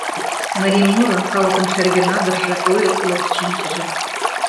Марий муро — калыкын шерге надырже, ойыпло чинчыже.